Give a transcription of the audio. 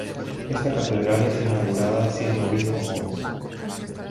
Esta Catedral es inaugurada siendo Obispo Mons.